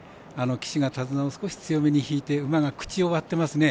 騎手が手綱を少し強めに引いて馬が口を割っていますね。